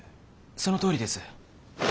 そのとおりです。